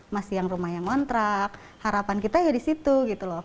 masih yang rumah yang ngontrak harapan kita ya di situ gitu loh